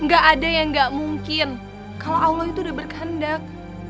gak ada yang gak mungkin kalau allah itu udah berkehendak